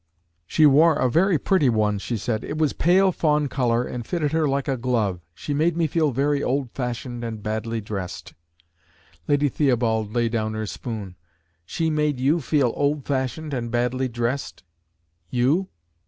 "She wore a very pretty one," she said: "it was pale fawn color, and fitted her like a glove. She made me feel very old fashioned and badly dressed." Lady Theobald laid down her spoon. "She made you feel old fashioned and badly dressed, you!"